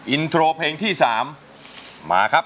อินโทรเพลงที่๓มาครับ